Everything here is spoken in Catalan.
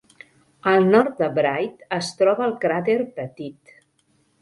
Al nord de Wright es troba el crater Pettit.